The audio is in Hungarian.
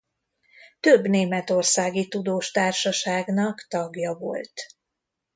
Több németországi tudós társaságnak tagja volt.